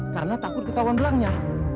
karena takut ketahuan belangnya